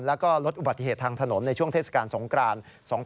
และรถอุบัติเหตุทางถนนในช่วงเทศกาลสงกราน